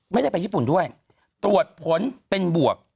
ไม่ได้ไปญี่ปุ่นด้วยตรวจผลเป็นบวก